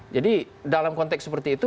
jadi dalam konteks seperti itu